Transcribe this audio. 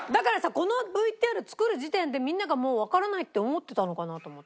このＶＴＲ作る時点でみんながもうわからないって思ってたのかなと思って。